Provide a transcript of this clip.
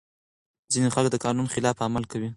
ځينې خلګ د قانون خلاف عمل کوي.